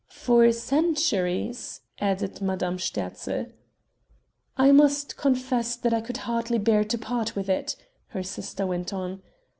"For centuries," added Madame Sterzl. "I must confess that I could hardly bear to part with it," her sister went on.